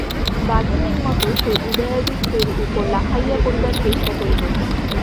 বাঘিনীর মত সে উদয়াদিত্যের উপর লাফাইয়া পড়িবার চেষ্টা করিল।